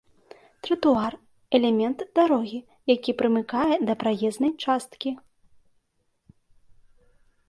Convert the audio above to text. Тратуар — элемент дарогі, які прымыкае да праезнай часткі